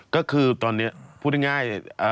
ก็คือตอนนี้พูดง่าย